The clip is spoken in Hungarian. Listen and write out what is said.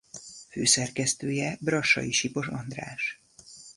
Főszerkesztője Brassai-Sipos András.